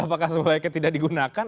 apakah semuanya tidak digunakan